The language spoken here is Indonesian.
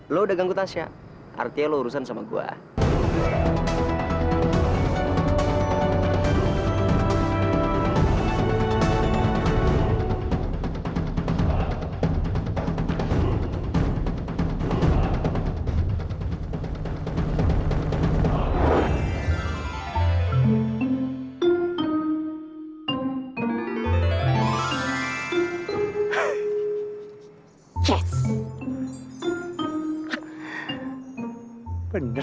lo udah ganggu tasya artinya lo urusan sama gue